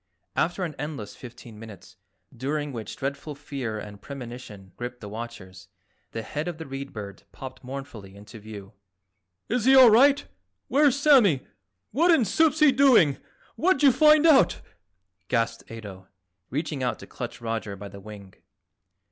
After an endless fifteen minutes, during which dreadful fear and premonition gripped the watchers, the head of the Read Bird popped mournfully into view. "Is he all right? Where's Sammy? What in soup's he doing? What'd you find out?" gasped Ato, reaching out to clutch Roger by the wing.